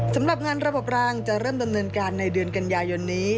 สำหรับงานระบบรางจะเริ่มดำเนินการในเดือนกันยายนนี้